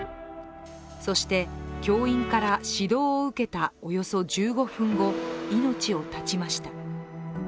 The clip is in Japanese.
そして教員から指導を受けたおよそ１５分後、命を絶ちました。